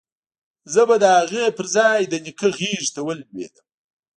زه به د هغه پر ځاى د نيکه غېږې ته ولوېدم.